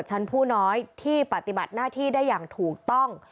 คุณผู้ชมไปฟังเสียงพร้อมกัน